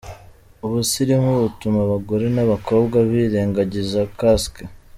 Ubusirimu butuma abagore n’abakobwa birengagiza ‘casque’.